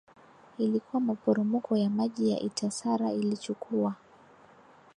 ilikuwa maporomoko ya maji ya Itacara Ilichukua